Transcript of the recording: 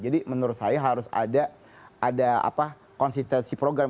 jadi menurut saya harus ada konsistensi program